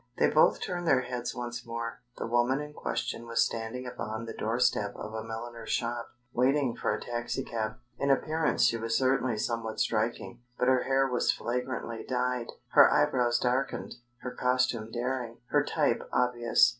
They both turned their heads once more. The woman in question was standing upon the doorstep of a milliner's shop, waiting for a taxicab. In appearance she was certainly somewhat striking, but her hair was flagrantly dyed, her eyebrows darkened, her costume daring, her type obvious.